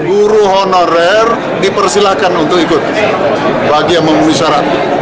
guru honorer dipersilakan untuk ikut bagi yang memenuhi syarat